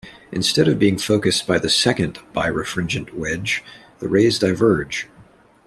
Instead of being focused by the second birefringent wedge, the rays diverge.